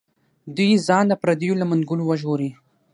دوی ځان د پردیو له منګولو وژغوري.